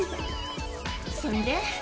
それで？